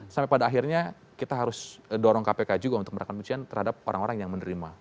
sampai pada akhirnya kita harus dorong kpk juga untuk melakukan pencucian terhadap orang orang yang menerima